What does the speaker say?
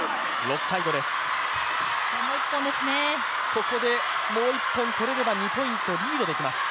ここでもう１本取れば、２ポイントリードできます。